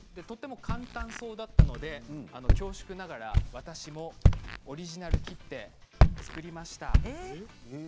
とても簡単そうだったので恐縮ながら私もオリジナル切手作りました。